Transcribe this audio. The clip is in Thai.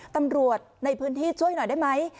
ตำรวจในพื้นที่ช่วยหน่อยได้ไหม